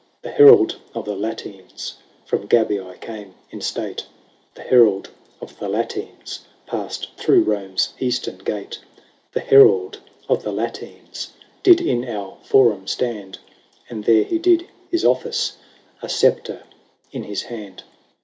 The Herald of the Latines From Gabii came in state : The Herald of the Latines Passed through Rome's Eastern Gate : The Herald of the Latines Did in our Forum stand ; And there he did his office, A sceptre in his hand.